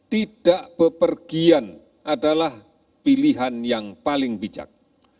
tidak bepergian adalah pilihan yang paling bijak